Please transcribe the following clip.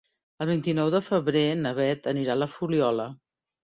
El vint-i-nou de febrer na Beth anirà a la Fuliola.